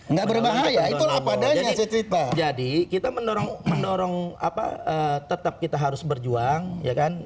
nggak berbahaya itu apa adanya jadi kita mendorong mendorong apa tetap kita harus berjuang ya kan